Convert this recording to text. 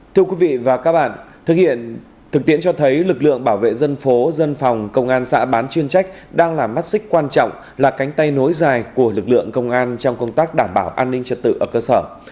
thưa quý vị và các bạn thực hiện thực tiễn cho thấy lực lượng bảo vệ dân phố dân phòng công an xã bán chuyên trách đang là mắt xích quan trọng là cánh tay nối dài của lực lượng công an trong công tác đảm bảo an ninh trật tự ở cơ sở